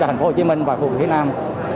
ở tp hcm và khu vực việt nam